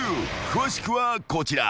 詳しくはこちら］